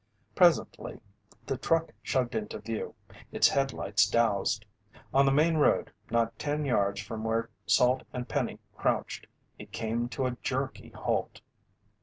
Presently the truck chugged into view, its headlights doused. On the main road, not ten yards from where Salt and Penny crouched, it came to a jerky halt.